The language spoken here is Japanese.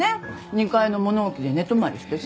２階の物置で寝泊まりしてさ。